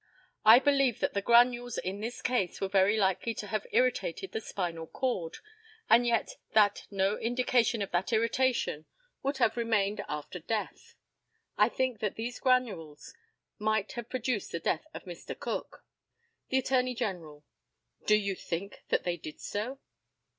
I believe that the granules in this case were very likely to have irritated the spinal cord, and yet that no indication of that irritation would have remained after death. I think that these granules might have produced the death of Mr. Cook. The ATTORNEY GENERAL: Do you think that they did so?